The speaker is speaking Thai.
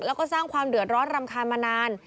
แล้วก็สร้างความเดือดร้อนรำคาญมานาน